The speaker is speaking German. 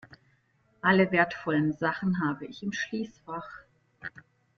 Alle wertvollen Sachen habe ich im Schließfach.